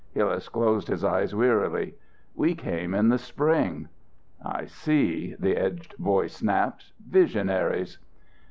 Hillas closed his eyes wearily. "We came in the spring." "I see!" The edged voice snapped, "Visionaries!"